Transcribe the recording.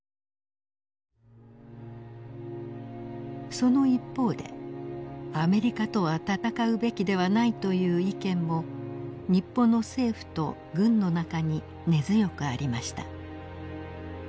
その一方でアメリカとは戦うべきではないという意見も日本の政府と軍の中に根強くありました。